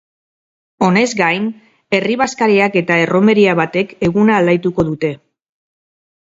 Honez gain, herri bazkariak eta erromeria batek eguna alaituko dute.